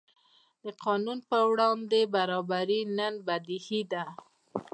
د قانون پر وړاندې برابري نن بدیهي ده.